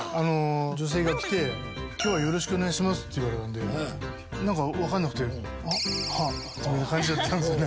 女性が来て「今日はよろしくお願いします」って言われたんでなんかわかんなくて「あっああ」って返しちゃったんですよね。